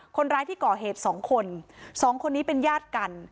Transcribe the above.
คนร้ายที่ก่อเหตุสองคนสองคนนี้เป็นญาติกัน